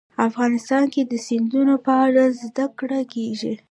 افغانستان کې د سیندونه په اړه زده کړه کېږي.